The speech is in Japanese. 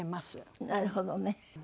なるほどね。